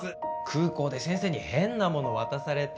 空港で先生に変なもの渡されて。